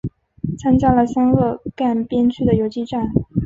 参加了湘鄂赣边区的游击战。